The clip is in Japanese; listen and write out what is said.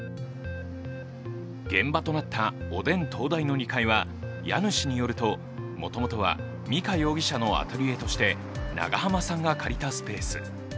現場となったおでん東大の２階は家主によるともともとは美香容疑者のアトリエとして、長濱さんが借りたスペース。